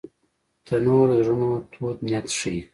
تنور د زړونو تود نیت ښيي